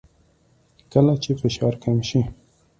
کله چې فشار کم شي